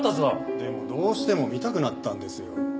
でもどうしても見たくなったんですよ。